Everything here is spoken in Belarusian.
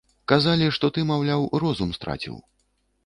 Казалі, што ты, маўляў, розум страціў.